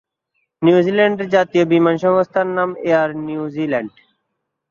নিউজিল্যান্ডের জাতীয় বিমান সংস্থার নাম এয়ার নিউজিল্যান্ড।